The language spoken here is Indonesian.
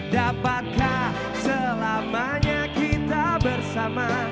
dapatkah selamanya kita bersama